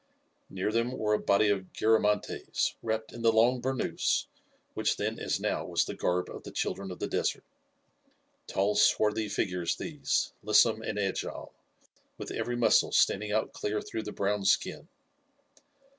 Near them were a body of Garamantes, wrapped in the long bernous which then as now was the garb of the children of the desert. Tall, swarthy figures these, lissome and agile, with every muscle standing out clear through the brown skin.